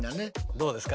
どうですか？